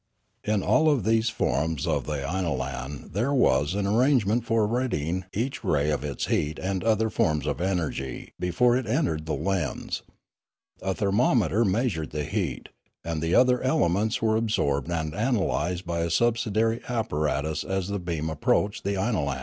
In all of these forms of the inolan there was an ar rangement for ridding each ray of its heat and of other forms of energy before it entered the lens; a thermometer measured the heat; and the other elements were ab sorbed and analysed by a subsidiary apparatus as the beam approached the inolan.